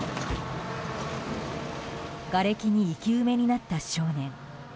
がれきに生き埋めになった少年。